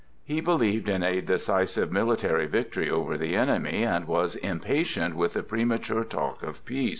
He believed in a decisive military victory over the enemy, and was impatient with the premature talk of peace.